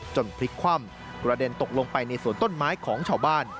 พลิกคว่ำกระเด็นตกลงไปในสวนต้นไม้ของชาวบ้าน